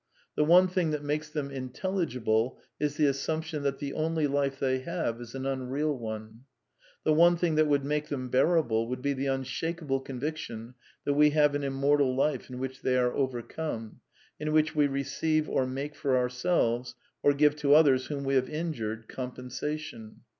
The one thing that makes them inteUi gible is the assumption that the only life they have is an unreal one. The one thing that would make them bear able would be the unshaken conviction that we have an immortal life in which they are overcome; in which we receive, or make for ourselves, or give to others whom we have injured, compensation.